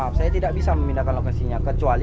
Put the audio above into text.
bapak saya detto loh teman teman